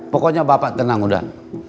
pokoknya bapak tenang udah